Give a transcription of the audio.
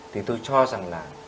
thì tôi cho rằng là